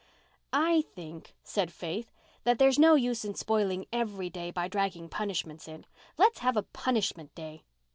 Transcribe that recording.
"I think," said Faith, "that there's no use in spoiling every day by dragging punishments in. Let's have a punishment day."